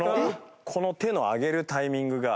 この手の上げるタイミングが。